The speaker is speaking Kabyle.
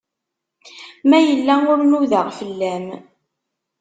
Ma yella ur nudeɣ fell-am.